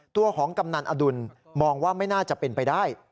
ตัวของกำนันอดุลมองว่าไม่น่าจะเป็นไปได้